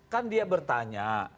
kan dia bertanya